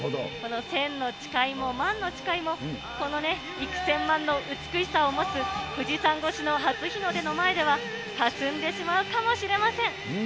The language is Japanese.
この千の誓いも万の誓いも、このね、幾千万の美しさを持つ富士山越しの初日の出の前では、かすんでしまうかもしれません。